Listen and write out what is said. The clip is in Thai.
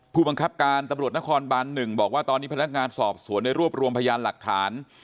ผู้บังคับการตำรวจนครบาน๑บอกว่าตอนนี้พนักงานสอบสวนได้รวบรวมพยานหลักฐาน